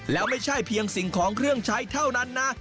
แล้วไม่ใช่เพียงสิ่งของเครื่องใช้เท่านั้นนะ